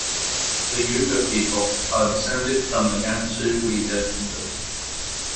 The Yugur people are descended from the Gansu Uyghur Kingdom.